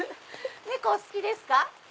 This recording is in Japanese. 猫お好きですか？